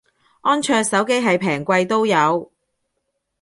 安卓手機係平貴都有